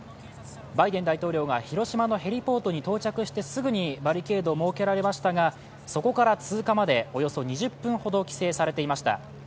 バイデン大統領が広島のヘリポートに到着してすぐにバリケードを設けられましたが、そこから通過までおよそ２０分ほど規制されていました。